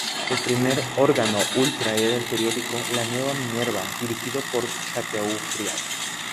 El principal órgano ultra era el periódico "La nueva Minerva", dirigido por Chateaubriand.